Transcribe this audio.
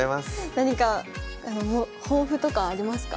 何か抱負とかありますか？